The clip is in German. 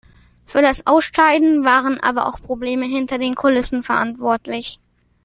Für das Ausscheiden waren aber auch Probleme hinter den Kulissen verantwortlich.